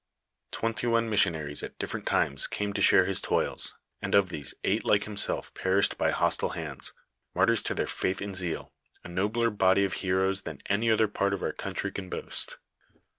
Twenty one mis sionaries at different times came to share his toils, and of these eight like himself perished by hostile hands, martyrs to their faith and zeal, a nobler body of heroes than any other part of our country can boast.